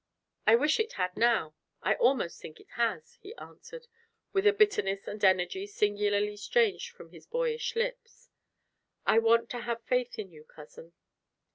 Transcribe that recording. "I wish it had now; I almost think it has," he answered, with a bitterness and energy singularly strange from his boyish lips. "I want to have faith in you, cousin."